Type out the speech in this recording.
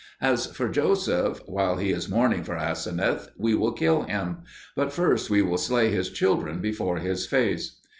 As for Joseph, while he is mourning for Aseneth we will kill him; but first we will slay his children before his face."